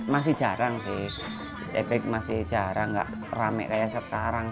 masih jarang sih ebek masih jarang nggak rame kayak sekarang